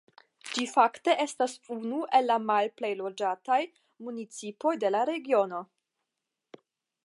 Ĝi fakte estas unu el malplej loĝataj municipoj de la regiono.